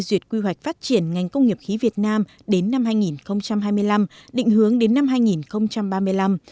tuyệt quy hoạch phát triển ngành công nghiệp khí việt nam đến năm hai nghìn hai mươi năm định hướng đến năm hai nghìn ba mươi năm